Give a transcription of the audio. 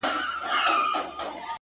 o نن داخبره درلېږمه تاته،